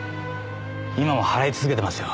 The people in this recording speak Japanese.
今も払い続けてますよ。